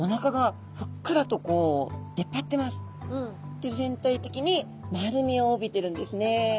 で全体的に丸みを帯びてるんですね。